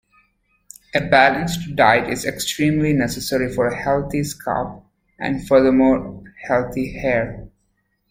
A balanced diet is extremely necessary for a healthy scalp and furthermore healthy hair.